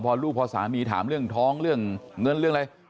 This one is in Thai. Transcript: พอลูกพอสามีถามเรื่องท้องเรื่องเงินเรื่องอะไร